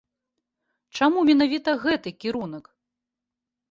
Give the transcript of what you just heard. Чаму менавіта гэты кірунак?